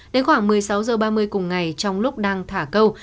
đến khoảng một mươi sáu h ba mươi cùng ngày trong lúc đang thả câu